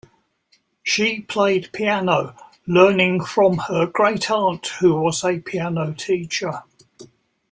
She played piano, learning from her great-aunt who was a piano teacher.